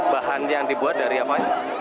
bahan yang dibuat dari apanya